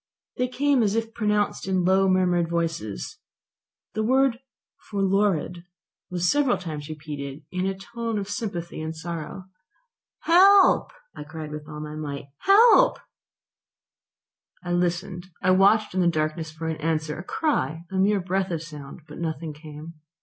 They came as if pronounced in low murmured whispers. The word 'forlorad' was several times repeated in a tone of sympathy and sorrow. "Help!" I cried with all my might. "Help!" I listened, I watched in the darkness for an answer, a cry, a mere breath of sound, but nothing came.